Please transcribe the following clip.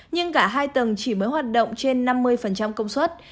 nhưng cả hai tầng chỉ mới hoạt động trên năm mươi công suất